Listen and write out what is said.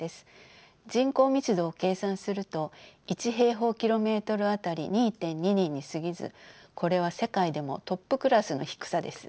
人口密度を計算すると１平方キロメートルあたり２．２人にすぎずこれは世界でもトップクラスの低さです。